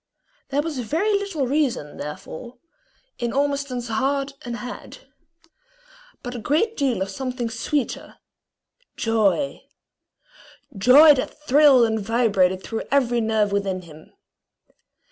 There was very little reason, therefore, in Ormiston's head and heart, but a great deal of something sweeter, joy joy that thrilled and vibrated through every nerve within him.